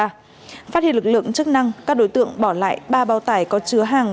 phát hiện lực lượng chức năng các đối tượng bỏ lại ba bao tải có chứa hàng